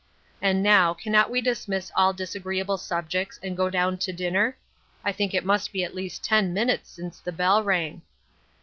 And now, cannot we dismiss all disagreeable subjects and go down to dinner? I think it must be at least ten minutes since the bell rang."